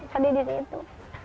jadi di situ